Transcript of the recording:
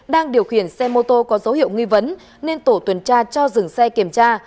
đang điều khiển xe mô tô có dấu hiệu nghi vấn nên tổ tuần tra cho dừng xe kiểm tra